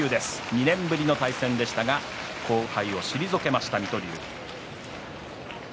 ２年ぶりの対戦でしたが後輩を退けました、水戸龍。